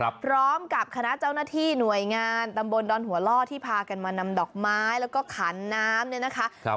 พร้อมกับคณะเจ้าหน้าที่หน่วยงานตำบลดอนหัวล่อที่พากันมานำดอกไม้แล้วก็ขันน้ำเนี่ยนะคะครับ